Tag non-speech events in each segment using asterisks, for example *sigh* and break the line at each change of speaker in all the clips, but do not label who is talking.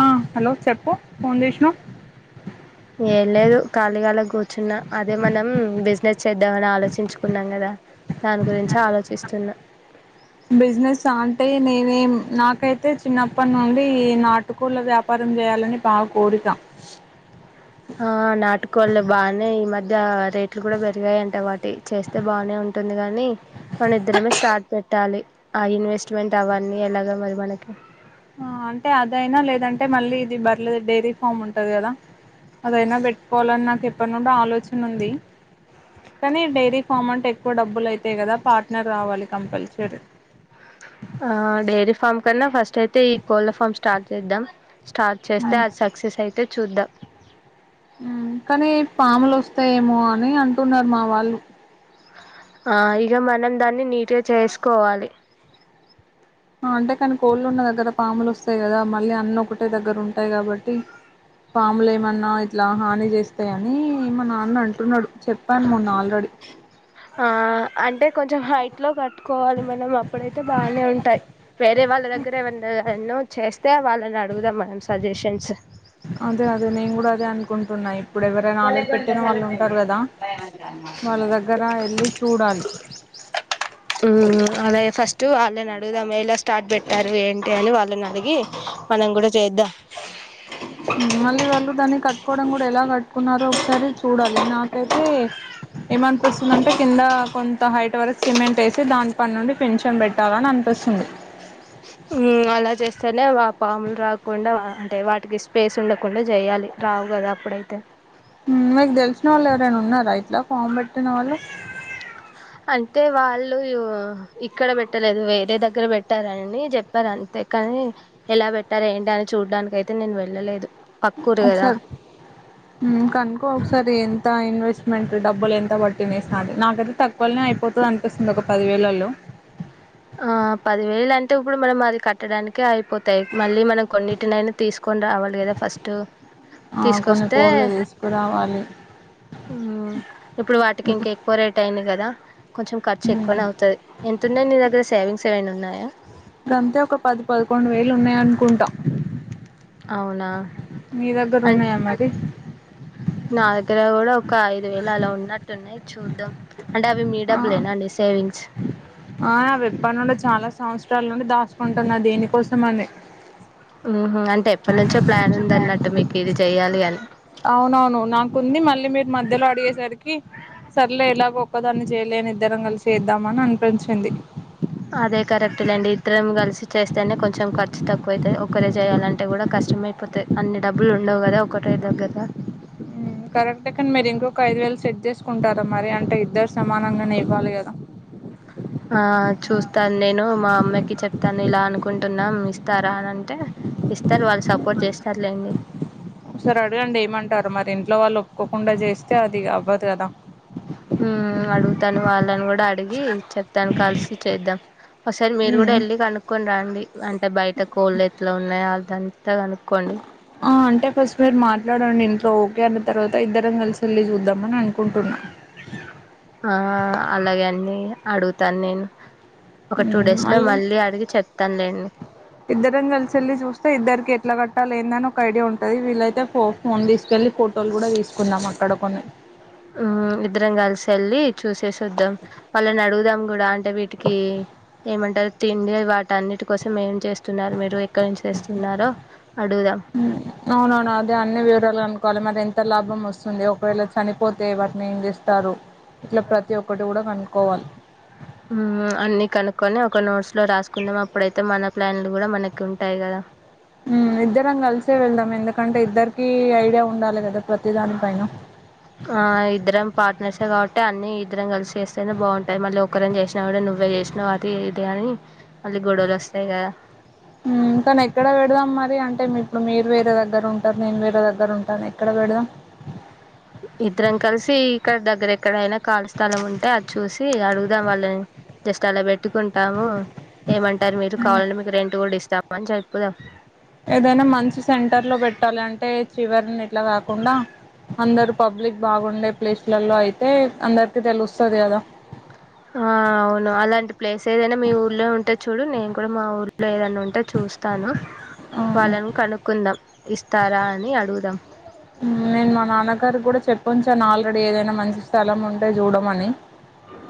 ఆ హలో చెప్పు ఫోన్ చేసినావ్
ఏం లేదు, ఖాళీగాళ కూర్చున్నా. అదే మనం బస్. చేద్దామని ఆలోచించుకున్నాం గదా. దాని గురించి ఆలోచిస్తున్నా.
బిజినెస్ ఆంటే, నేనేమ్ నాక్. నాకైతే, చిన్నప్పటి నుండి ఈ నాటుకోళ్ల వ్యాపారం జేయాలని బాగా కోరిక,
ఆ నాటుకోళ్లు బాగానే ఈ మధ్య రేట్లు కూడా పెరిగాయంట. వాటి చేస్తే బానే ఉంటుంది గానీ, మన ఇద్దరమే స్టార్ట్ పెట్టాలి. ఆ ఇన్వెస్ట్మెంట్ అవన్నీ ఎలాగ మరి మనకి.
ఆ అంటే అదైనా లేదంటే మళ్ళీ ఇది బర్లది. డైరీ ఫామ్ ఉంటది కదా. అదైనా పెట్టుకోవాలన్న నాకు ఎప్పనుండో ఆలోచన ఉంది. కానీ, డైరీ ఫామ్ అంటే ఎక్కువ డబ్బులు అయితయి కదా. పార్ట్నర్ రావాలి కంపల్సరీ.
ఆ డైరీ ఫామ్ కన్నా ఫస్ట్ అయితే, ఈ కోళ్ల ఫామ్ స్టార్ట్ చేద్దాం. స్టార్ట్ చేస్తే అది సక్సెస్ అయింది చూద్దాం
కానీ పాములు వస్తాయేమో అని అంటున్నారు మా వాళ్ళు
ఆ ఇక మనం దాన్ని నీట్గా చేసుకోవాలి
అంటే కాని కోళ్ళు ఉన్న దగ్గర పాములు వస్తాయి కదా మళ్ళీ అన్న ఒకటే దగ్గర ఉంటాయి కాబట్టి పాములు ఏమన్నా ఇట్లా హాని చేస్తాయి అని మా నాన్న అంటున్నాడు చెప్పాను మొన్న ఆల్రెడీ
ఆ అంటే కొంచెం హైట్ లో కట్టుకోవాలి. మనం అప్పుడైతే బానే ఉంటాయి. వేరే వాళ్లుదగ్గర ఏ ఎవరినెవరినో చేస్తే, వాళ్లనే అడుగుదాం మనం సజెషన్స్.
అదే, అదే. నేను కూడా అదే అనుకుంటున్నా. ఇప్పుడు ఎవరైనా
గోలే
ఆల్రెడీ
గోలే, ఆ
పెట్టిన వాళ్ళు
సల్లటి నీళ్లు.
ఉంటారు
ఈ
కదా
మా అయ్య మంచోడు. దాని మాటలు
వాళ్ళ
ఇనకు.
దగ్గర వెళ్ళి చూడాలి
మ్మ్ ఆలయ్యా, ఫస్ట్ ఆళ్లు. వాళ్లని అడుగుదాం, ఎలా స్టార్ట్ పెట్టారు ఏంటి. వాళ్లని అడిగి మనం కూడా చేద్దాం.
మళ్లీ, వాళ్లు దాన్ని కట్. కట్టుకోవడం కూడా ఎలా కట్టుకున్నారో ఒకసారి చూడాలి. నాకైతే ఏమనిపిస్తుందంటే, కింద కొంత హైట్ వరకు సిమెంట్ వేసి, దాని పని నుండి పెన్షన్ పెట్టాలని అనిపిస్తుంది.
హమ్, అలా చేస్తేనే ఆ పాములు రాకుండా అంటే వాటికి స్పేస్ ఉండకుండా చేయాలి. రావు కదా అప్పుడైతే.
మీకు తెలిసిన వాళ్లు, ఎవరైనా ఉన్నారా అయితే? ఇలా ఫామ్ పెట్టిన వాళ్లు.
అయితే వాళ్లు ఇక్కడ పెట్టలేదు వేరే దగ్గర పెట్టారని జేప్పారు. అంతే కానీ ఎలా పెట్టారు, ఏంటి అని చూడానికి అయితే నేను వెళ్లలేదు. పక్కూరు కదా
హమ్ కనుకో ఒకసారి ఎంత ఇన్వెస్ట్ మంటట్ డబ్బులు ఎంత పట్టి వేసి నాకైతే తక్కువలనే అయిపోతది అనిపిస్తుంది ఒక పదివేలలో
ఆ పదివేలు అంటే ఇప్పుడు మనం అది కట్టడానికే అయిపో మళ్ళీ మనం కొన్నిటినైనా తీసుకొని రావాలి కదా ఫస్ట్
ఆ కొన్ని
తీసుకొస్తే
కోళ్ళు తీసుకురావాలి
ఇప్పుడు వాటికి ఇంక ఎక్కువ రేట్ అయింది కదా కొంచెం ఖర్చు
మ్
ఎక్కువనే అవుతది ఎతుండే నీ దగ్గర సెవెన్ ఉన్నాయ
గంతే ఒక పది పదకొండు వేలు ఉన్నయనుకుంటా
అవునా
మీ దగ్గర
అం
ఉన్నాయా మరి
నా దగ్గర కూడా ఒక ఐదు వేల అలా ఉన్నట్టు ఉన్నాయి చూదాం అంటే అవి మీ
ఆ
డబ్బులేేనా అండి సేవింగ్స్
ఆ విప్పనుండి చాలా సంవత్సరాల చాల నుండి దాచుకుంటున్న దేనికోసం అని
హమ్మ్ అంటే ఎప్పటి నుంచో ప్లాన్ ఉంది అన్నట్టు మీకు ఇది చెయ్యాలి అని
అవునవును నాకుంది మళ్ళీ మీరు మధ్యలో అడిగేసరికి సర్లే ఎలా ఒక్కదాన్నే చెయ్ లేని ఇద్దరం కలిసి చేద్దామని అనిపించింది
అదే కరెక్ట్ లేండి ఇద్దరం కలిసి చేస్తేనే కొంచెం ఖర్చు తక్కువ అవుతది ఒకటే చేయాలంటే కూడా కష్టమైపోతది అన్ని డబ్బులు ఉండవు కదా ఒకటే దగ్గర
హమ్ కరెక్టే కాని మీరు ఇంకొక ఐదు వేలు సెట్ చేసుకుంటారా మరి అంటే ఇద్దరు సమానంగానే ఇవ్వాలి కదా
ఆ చూస్తాను నేను మా అమ్మాకి చెప్తాను ఇలా అనుకుంటున్నాం ఇస్తారా అని అంటే ఇస్తారు వాళ్ళు సపోర్ట్ చేస్తారులేండి
ఒకసారి అడగండి ఏమంటారు మరి ఇంట్లో వాళ్ళు ఒప్పుకోకుండా చేస్తే అది అవ్వదు కదా
హమ్ అడుగుతాను వాళ్ళని కూడా అడిగీ చెప్తానికి కలిసి చేద్దాం ఒకసారి మీరు కూడా
మ్మ్
వెళ్ళి కనుక్కొని రండి అంటే బయట కోళ్ళు ఎట్ల ఉన్నాయా అదంతాను
ఆ అంటే ఫస్ట్ మీరు మాట్లాడండి ఇంట్లో ఓకే అంటే తర్వాత ఇద్దరం కలిసి వెల్లి చూద్దాంమని అనుకుంటున్నా
ఆ అలాగే అండి అడుగుతాను నేను ఒక టూ డేస్ లో మళ్ళీ అడిగి చెప్ తన్నాన్డి
ఇద్దరం కలిసెళ్ళి చూస్తే ఇద్దరికి ఎట్ల కట్టాల లేందని ఒక ఐడియా ఉంటది వీళ్లైతే ఓ ఫోన్ టిస్కెల్లి ఫోటోలు కూడా తీసుకున్నాం అక్కడ కొన్ని
ఉ ఇద్దరం కలిసి వెెల్లి చూసేసి వద్దాం వాళ్ళని అడుగుదాం కూడా అంటే వీటికి ఏమంటారు తిండి వాటన్నిటి కోసం ఏం చేస్త స్తున్నారు మీరు ఎక్కడి నుంచె తిన్నారా
హమ్ అవునువను అదే అన్నీ వివరాలు క ఒకవేళ మరి ఎంత లాభం వస్తుంది ఒకవేళ చనిపోతే వాటిని ఏం చేస్తారు ఇట్లా ప్రతి ఒక్కటి కూడా కనుక్కోవాలి
హమ్ అన్ని కనుక్కొని ఒక నోట్స్ లో రాసుకుందాం అప్పుడైతే మన ప్లాన్లు కూడా మనకి ఉంటాయి కదా
హమ్ ఇద్దరం కల్సే వెళ్ళాం ఎందుకంటే ఇద్దరికి ఐడియా ఉండాలి కదా ప్రతి దాని పైన
ఆ! ఇద్దరం పార్ట్నర్సే గాబట్టి అన్నీ ఇద్దరం కలిసి చేస్తేనే బాగుంటాయి మళ్ళీ ఒకరం చేసినావు కూడా నువ్వే చేసినావు అది ఇది అని మళ్ళీ గొడవలు వస్తాయి కదా
హమ్ కానీ ఎక్కడ పెడదాం మరి అంటే మీ మీరు వేరే దగ్గర ఉంటారు నేను వేరే దగ్గర ఉంటాను ఎక్కడ పెడదాం
ఇద్దరం కలిసి ఇక్కడ దగ్గర ఎక్కడైనా కాలీస్థలం ఉంటే అది చూసి అడుగుదాం వాళ్ళని జస్ట్ అలా పెట్టుకుంటాము ఏమం సర్ మీరు కావాలంటే మీకు రెంట్ కూడా ఇస్తాం మని చెప్పుదాం
ఏదైనా మంచి సెంటర్ లో పెట్టాలి అంటే చివరినకి ఇట్లా కాకుండా అందరు పబ్లిక్ బాగుండే ప్లేస్ లలో ఐతే అందరు
ఆ అవును అలాంటి ప్లేస్ ఏదైనా మీ ఊర్లో ఉంటే చూడు నేను కూడా మా ఊర్లో ఏదైనా ఉంటే చూస్తాను
ఆ
వాళ్ళని కనుక్కుందాం ఇస్తారా అని అడుగుదాం
నేను మా నాన్నగారు కూడా చెప్పొంచాను ఆల్రెడీ ఏదైనా మంచి స్థలం ఉంటే చూడమని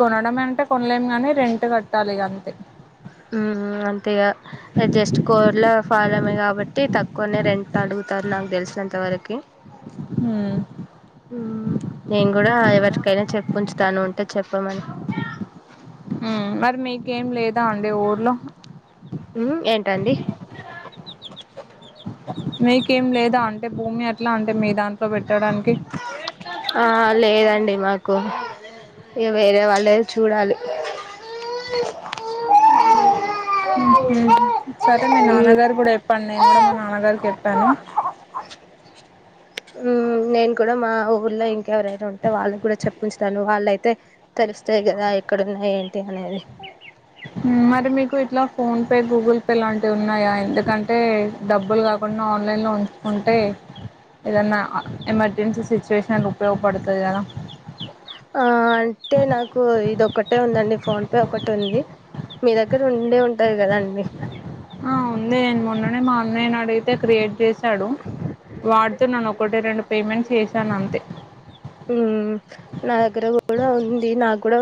కొనడం అంటే అన్న్లెంగాని రెంట్ కట్టాలి ఇక అంతే
ఉ అంతేగా అ జస్ట్ కోర్లా ఫాాలమే కాబట్టి తక్కువనే రెంట్ అడుగుతారు నాకు తెలిసినంత వరకి
హ్మ్
ఆ నెన్ గూడ ఎవర్ కైన చెప్పుంచుతాను ఉంటే చెప్పమని
ఉమ్ మరి మీకేం లేదా అండి ఊర్లో
ఉ ఏంటండీ
మీకేం లేదా అంటే భూమి అట్లా అంటే మీ దాంట్లో పెట్టడానికి
ఆ లేదండి మాకు ఇ వేరే వాళ్ళేద చూడాలి
ముహ్ సరే మీ
మ్మ్
నాన్నగారికి కూడా చెప్పండి నేను కూడా మా నాన్నగారికి చెప్పా తనూ
నేను కూడా మా ఊర్లో ఇంకా ఎవరైనా ఉంటే వాళ్ళకి కూడా చెప్ప పంచుతాను వాళ్ళయితే తెలుస్తాయి గదా ఎక్కడుంది ఏంటి అనేది
ఉమ్ మరి మీకు ఇట్లా ఫోన్ పే గూగుల్ పే లాంటివి ఉన్నాయా ఎందుకంటే డబ్బులు కాకుండా ఆన్లైన్లో ఉంచుకుంటే ఏదన్నా ఎమర్జెన్సీ సిచ్యువేషన్ ఉపయోగపడుతది కదా
ఆ అంటే నాకు ఇదిొక్కటే ఉందండి ఫోన్ పే ఒకటిే ఉంది మీ దగ్గర ఉండే ఉంటది కదాండి
ఆ ఉంది నే మొన్ననే మా అన్నయ్య అడిగితే క్రియేట్ చేసి కడు వాడుతున్నాను ఒకటి రెండు పేమెంట్స్ ఏసి తనంతే
ఉ నాదగ్గర కూడా ఇది నాకూడ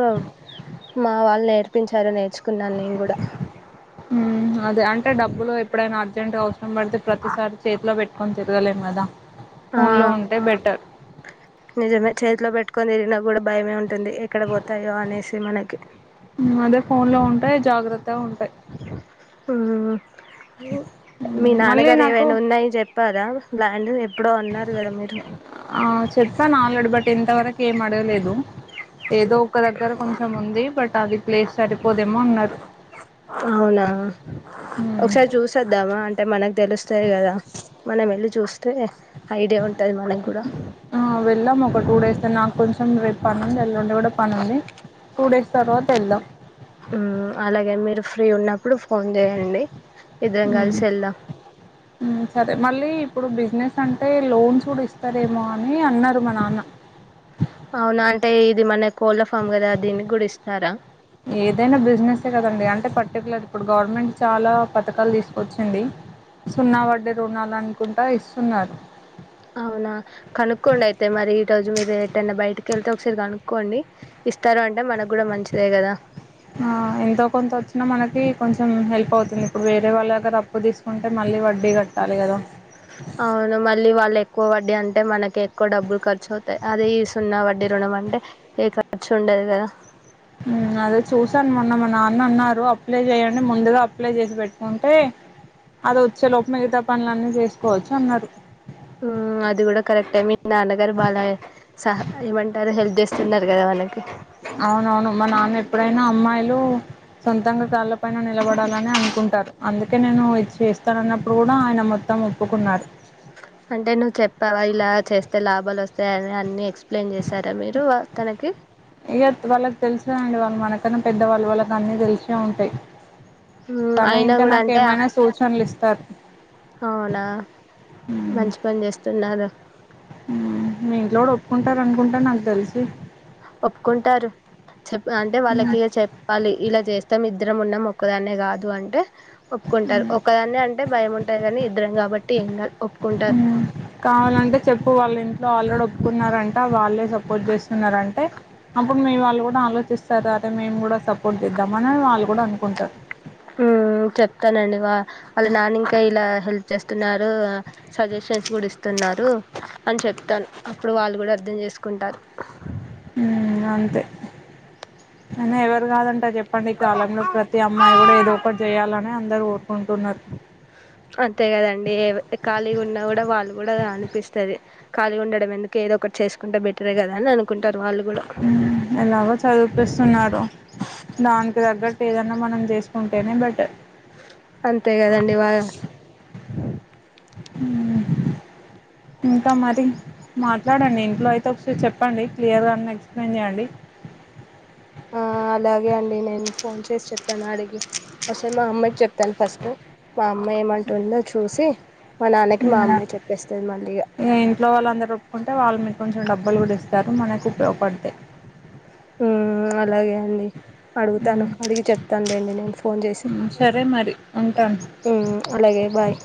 మా వాళ్ నేర్పించారు నేర్చుకున్నాను నేను కూడా
అదే అంటే డబ్బులు ఎప్పుడైనా అర్జెంట్గా అవసరం పడితే ప్రతిసారి చేతిలో పెట్టుకొని తిరగలేం కదా
ఆ
ఫోన్లో ఉంటే బెటర్
నిజమే చేతిలో పెట్టు తీరిన కూడా భయమే ఉన్ ఉంటుంది ఎక్కడ పోతయో అనేసి ది మనకి
ఉమ్ అదే ఫోన్లో ఉంటాయి జాగ్రత్త తా ఉంటాయి
ఉమ్ మ్ మీ
మ్మ్. మళ్ళీ
నాన్నగారు
నాకు
ఏవైనా ఉన్నాయ్ చెప్పారా ల్యాండ్ ఎప్పుడో అన్నారు గదా మీరు
ఆ చెప్పాను ఆల్రెడీ బట్ ఇంతవరకు ఏం అడగలేదు ఏదో ఒక దగ్గర కొంచెం ఉంది బట్ అది ప్లేస్ సరిపోదేమో అన్నారు
అవునా ఒకసారి చూసద్దామా అంటే మనకు తెలుస్తాది కదా మనం వెళ్ళి చూస్తే ఐడియా ఉంటుంది మనకు కూడా
ఆ వెళ్లాం ఒక టూ డేస్ నాకొంచెం రెప్పనుంది ఎల్లుండి గూడ పనుంది టూ డేస్ తర్వాత వెళ్దాం
అలాగే మీరు ఫ్రీ ఉన్నప్పుడు ఫోన్ చేయండి ఇద్దరం కలిసి వెళ్దాం
సరే మళ్ళీ ఇప్పుడు బిజినెస్ అంటే లోన్స్ కూడా ఇస్తారేమో అని అన్నారు మా నాన్న
అవునా అంటే ఇది మన కోళ్ళ ఫామ్ కదా దీన్ని కూడా ఇస్తారా
ఏదైనా బిజినెసే కదండి అంటే *unintelligible* పర్టికులర్ ఇప్పుడు గవర్నమెంట్ చాలా పథకాలు తీసుకు వొచ్చింది సున్నా వడ్డీ రుణాల కుంటా ఇస్తున్నారు
అవునా కనుకోండి ఐతే మరి మీరు ఈరోజు ఎటైనా బయటికెళ్తే ఒకసారి కనుకోండి ఇస్తారు అంటే మనకూడా మంచిదేకదా
ఎంతో కొంత వచ్చినా మనకి కొంచెం హెల్ప్ అవుతుంది ఇప్పుడు వేరే వాళ్ళ దగ్గర అప్పు తీసుకుంటే మళ్ళీ వడ్డీ కట్టాలి కదా
అవును మళ్ళీ వాళ్ళు ఎక్కువ వడ్డీ అంటే మనకి ఎక్కువ డబ్బులు ఖర్చు అవు అదే ఈ సున్నా వడ్డీ రుణం అంటే ఏ ఖర్చు ఉండదు కదా
ఉమ్ అదే చూసాను మొన్న మా అన్నారు అప్లై చేయండి ముందుగా అప్లై చేసి పెట్టుకుంటే అది వచ్చే లోపు మిగతా పనులన్నీ చేసుకోవచ్చు అన్నారు
అది కూడా కరెక్ట్ ట నాన్నగారు బా సహ ఏమంటారు హెల్ప్ చేస్తున్నారు కదా మనకి
అవునవును మా నాన్న ఎప్పుడైనా అమ్మాయిలూ సొంతంగా కాల పైన నిలబడాలనే అనుకుంటారు అందుకే నేను ఇది చేస్తానన్నప్పుడు కూడా ఆయన మొత్తం ఒప్పుకున్నారు
అంటే నువ్వు చెప్పావ ఇలా చేస్తే లాభలొస్తాయి అని అన్ని ఎక్స్ ఎక్స్ప్లెయిన్ చేశారా మీరు తనకి
ఇక వాళ్ళకి తెలుసునండి మనకన్నా పెద్దవాళ్ళు వాళ్ళకు అన్నిీ తెలిసే ఉంటాయి
హ్మ్.
తను
అయినా
ఇంకా
కూడా
నాకు
అంటే ఆహ్
ఏమైనా సూచనలు ఇస్త తత్
అవునా మంచి పని చేస్తున్నారు
మీ ఇంట్లో కూడా ఒప్పుకుంటారనుకుంట నాక్ తెలిసి
ఒప్పుకుంటారు చెప్ అంటే వాళ్ళకీ చెప్పాలి ఇలా చేస్తాం ఇద్దరం ఉన్నాం ఒక్కదాన్నే కాదు అంటే ఒప్పుకుంటారు ఒకదాన్ని అంటే భయం ఉంటది కాని ఇద్దరం కాబట్టి ఏం కాదు ఒప్పుకుంటారు
కావాలంటే చెప్పు వాళ్ళు ఇంట్లో ఆల్రెడ ఒప్పుకున్నారంట వాళ్ళేప్పు సపోర్ట్ చేస్తున్నారంటే అప్పుడు మీ వాళ్లు గు ఆలోచిస్తారు అరే మేము గూడ సపోర్ట్ చేద్దాం అని వాళ్లు గూడ అనుకుంటారు
ఉమ్ చెప్తానండి వ అవి నానింకా ఇలా హెల్ప్ చేస్తున్నారు సజెషన్స్ కూడా ఇస్తున్నారు అని చెప్తాను అప్పుడు వాళ్ళు కూడా అర్థంచేసుకుంటారు
ఉమ్ అంతే కాని ఎవరు కాదంటార్ చెప్పండి ఈ కాలంలో ప్రతి అమ్మాయి కూడా ఏదో ఒకటి చెయ్యాలనే అందరూ కోరుకుంటున్నారు
అంతే కదండి ఖాళీగా ఉన్నా కూడా వాళ్ళు కూడా అనిపిస్తది ఖాళీగుండడం ఎందుకు ఏదో ఒకటి చేసుకుంటే బెటరేకదా అని అనుకుంటా
ఎలాగ చదిపిస్తున్నారు దానికి తగ్గట్టు ఏదన్నా మనం చేసు ఉంటేనే బెటర్
అంతే కదండి బాగా అ
ఇంకా మరి మాట్లాడండి ఇంట్లో అయితే ఒకసారి చెప్పండి క్లియర్గా అన్న ఎక్స్ప్లెయిన్ చేయండి
ఆ అలాగే అండి నేను ఫోన్ చేసి చెప్ప్పాను అడిగి ఒకసారి మా అమ్మాకి చెప్ప్పాను ఫస్ట్ మా అమ్మ ఏమంటుందో చూసి మా నాన్నకి మా అమ్మే చెప్పేస్తది మళ్ళీ ఇగ
ఇక ఇంట్లో వాళ్ళుందరుూ ఒప్పుకుంటే వాళ్ళు మీకు కొంచెం డబ్బలు కూడా ఇస్తారు మనకు ఉపయోగపడతే
అలాగే అండి అడుగుతాను అడిగి చెప్తానులేండి నేను ఫోన్ చేసి
సరే మరి ఉంటాను
అలాగే బాయ్